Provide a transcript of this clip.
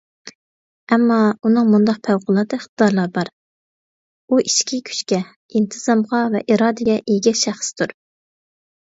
ئەمما، ئۇنىڭ مۇنداق پەۋقۇلئاددە ئىقتىدارلار بار: ئۇ ئىچكى كۈچكە، ئىنتىزامغا ۋە ئىرادىگە ئىگە شەخستۇر.